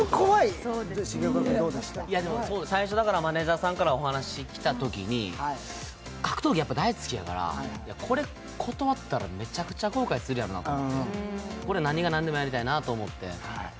最初、マネージャーさんからお話来たときに格闘技やっぱ大好きやから、これ断ったらめちゃくちゃ後悔するやろなと思って、これ、何が何でもやりたいなと思って。